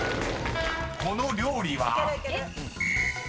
［この料理は？］